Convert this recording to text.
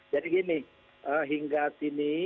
jadi gini hingga sini